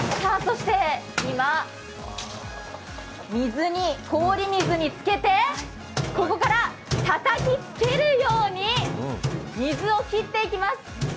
今、氷水につけて、ここからたたきつけるように水を切っていきます。